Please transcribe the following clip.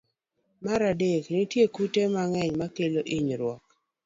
Mar adek, nitie kute mang'eny makelo hinyruok.